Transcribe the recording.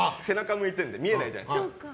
向いてるから見えないじゃないですか。